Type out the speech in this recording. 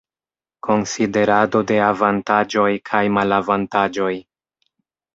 Konsiderado de avantaĝoj kaj malavantaĝoj.